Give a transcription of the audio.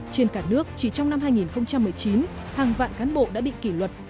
trên cả nước chỉ trong năm hai nghìn một mươi chín hàng vạn cán bộ đã bị kỷ luật